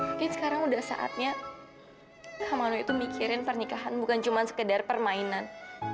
mungkin sekarang udah saatnya samando itu mikirin pernikahan bukan cuma sekedar permainan